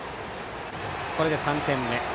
これで３点目。